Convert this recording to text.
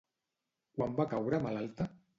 Quan va caure malalta?